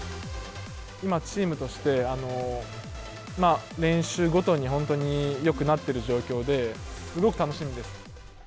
今、チームとして、練習ごとに本当によくなっている状況で、すごく楽しみです。